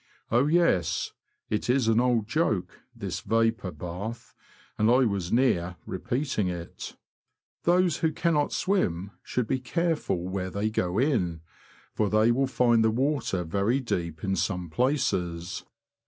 Oh, yes, it is an old joke, this vapour hafhj and I was near repeating it. Those who cannot swim should be careful where they go in, for they 222 THE LAND OF THE BROADS. will find the water very deep in some places.